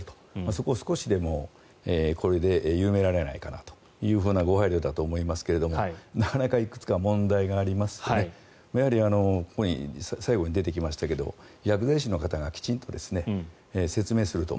そこを少しでもこれで緩められないかなというご配慮だと思いますがなかなかいくつか問題がありまして最後に出てきましたが薬剤師の方がきちんと説明すると。